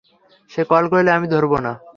সে call করলে, আমি ধরব না।